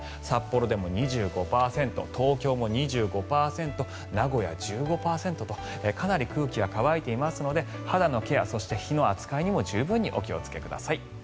札幌でも２５％東京も２５％名古屋１５％とかなり空気が乾いていますので肌のケアそして火の扱いにも十分にお気をつけください。